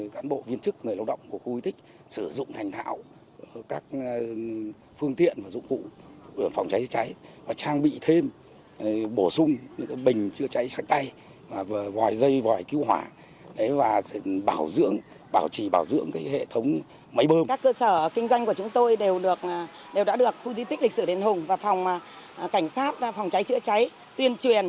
các cơ sở kinh doanh của chúng tôi đều đã được khu diện tích lịch sử đền hùng và phòng cháy chữa cháy tuyên truyền